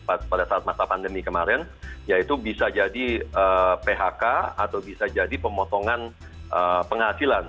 pada saat masa pandemi kemarin yaitu bisa jadi phk atau bisa jadi pemotongan penghasilan